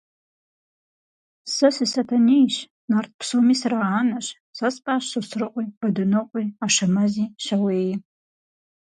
Сэ сы-Сатэнейщ, нарт псоми сыраанэщ; сэ спӀащ Сосрыкъуи, Бадынокъуи, Ашэмэзи, Щауеи.